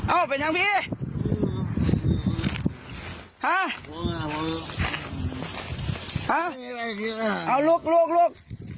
อ้าวเป็นยังไงฮะฮะเอาลูกลูกลูก